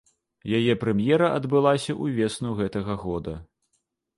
Яе прэм'ера адбылася ўвесну гэтага года.